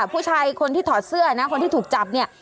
ผู้ชายคนที่ถอดเสื้อนะคนที่ถูกจับเนี่ย